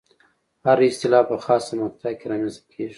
هره اصطلاح په خاصه مقطع کې رامنځته کېږي.